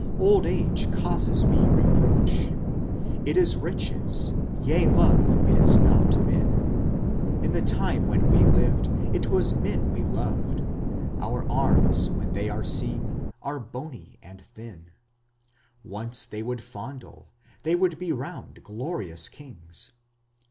Old age causes me reproach ... It is riches Ye love, it is not men: In the time when we lived It was men we loved ... My arms when they are seen Are bony and thin: Once they would fondle, They would be round glorious kings